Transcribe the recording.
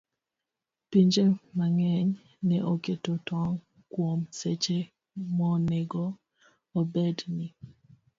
Pinje mang'eny ne oketo tong' kuom seche monego obed ni